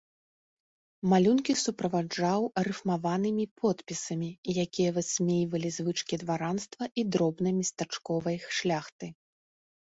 Малюнкі суправаджаў рыфмаваным подпісамі, якія высмейвалі звычкі дваранства і дробнай местачковай шляхты.